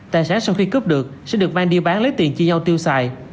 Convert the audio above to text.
tài sản sau khi cướp được sẽ được mang đi bán lấy tiền chia nhau tiêu xài